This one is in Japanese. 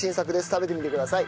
食べてみてください。